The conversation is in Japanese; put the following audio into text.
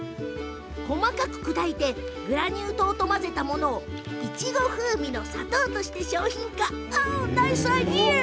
細かく砕いてグラニュー糖と混ぜたものをいちご風味の砂糖として商品化。